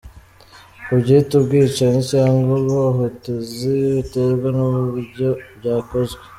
Kubyita ubwicanyi cyangwa ubuhotozi biterwa n’uburyo byakozwe.